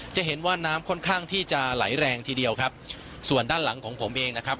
จะเห็นว่าน้ำค่อนข้างที่จะไหลแรงทีเดียวครับส่วนด้านหลังของผมเองนะครับ